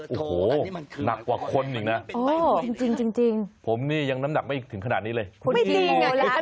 โอ้โหหนักกว่าคนหนึ่งนะผมนี่ยังน้ำหนักไม่ถึงขนาดนี้เลยคุณพี่มูลละ